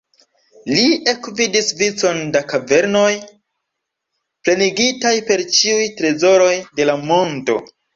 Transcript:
Li ekvidis vicon da kavernoj, plenigitaj per ĉiuj trezoroj de la mondo.